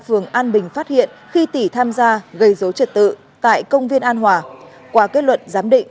phường an bình phát hiện khi tỉ tham gia gây dối trật tự tại công viên an hòa qua kết luận giám định